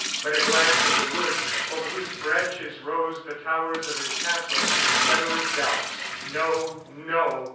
But a glance at the woods over whose branches rose the towers of his castle, settled his doubts. No, no.